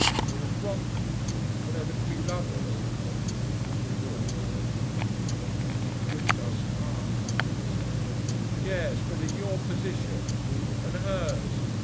It was wrong for you two people ever to be lovers." He paused. "It gripped us hard," I said. "Yes! but in your position! And hers!